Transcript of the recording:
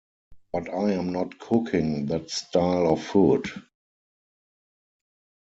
But I am not cooking that style of food.